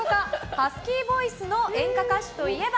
ハスキーボイスの演歌歌手といえば？